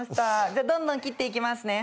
じゃどんどん切っていきますね。